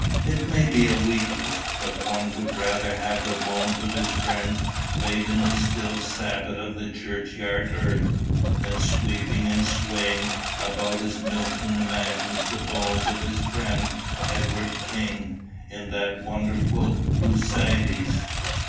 It may be a weakness, but one would rather have the bones of his friend laid in the still Sabbath of the churchyard earth, than sweeping and swaying about as Milton imagines the bones of his friend Edward King, in that wonderful 'Lycidas.